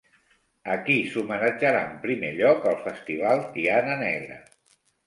A qui s'homenatjarà en primer lloc al festival Tiana Negra?